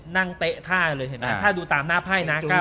นั่งเตะท่าเลยถ้าดูตามหน้าไพ่นะ